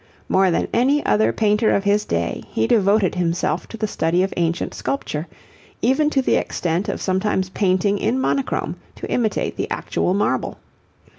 More than any other painter of his day, he devoted himself to the study of ancient sculpture, even to the extent of sometimes painting in monochrome to imitate the actual marble.